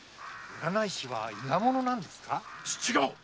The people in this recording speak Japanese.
占い師は伊賀者なんですか⁉違う！